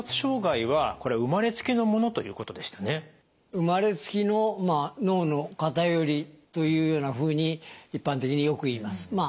生まれつきの脳の偏りというようなふうに一般的によく言います。